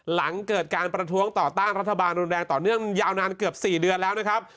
หลังเกิดการประท้วงต่อต้านรัฐบาลรุนแรงต่อเนื่องยาวนานเกือบ๔เดือนแล้วนะครับ